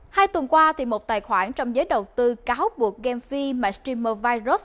hai tuần qua một tài khoản trong giới đầu tư cáo buộc game phi mà streamer virus